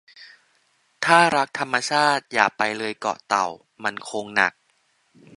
ถ้ารักธรรมชาติ อย่าไปเลยเกาะเต่า มันคงหนัก